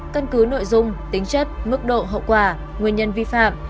căn cứ nội dung tính chất mức độ hậu quả nguyên nhân vi phạm